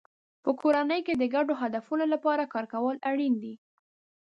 په کورنۍ کې د ګډو هدفونو لپاره کار کول اړین دی.